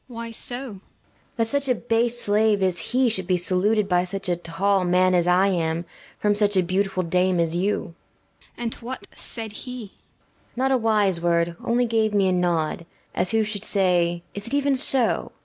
BELLAMIRA. Why so? PILIA BORZA. That such a base slave as he should be saluted by such a tall man as I am, from such a beautiful dame as you. BELLAMIRA. And what said he? PILIA BORZA. Not a wise word; only gave me a nod, as who should say, "Is it even so?"